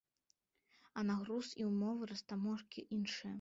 А на груз і ўмовы растаможкі іншыя!